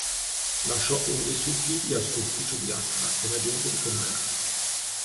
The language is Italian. Lasciò uno dei suoi figli al suo ufficio di Accra come agente di commercio.